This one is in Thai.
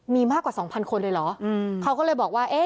มีมากกว่าสองพันคนเลยเหรออืมเขาก็เลยบอกว่าเอ๊ะ